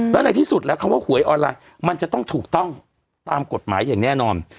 แล้วในที่สุดแล้วคำว่าหวยออนไลน์มันจะต้องถูกต้องตามกฎหมายอย่างแน่นอน